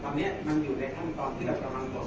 แต่ว่าไม่มีปรากฏว่าถ้าเกิดคนให้ยาที่๓๑